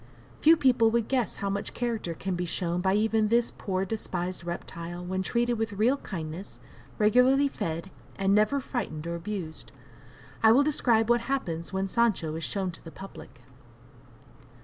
Few people would guess how much character can be shown by even this poor, despised reptile when treated with real kindness, regularly fed, and never frightened or abused. I will describe what happens when Sancho is "shown to the public."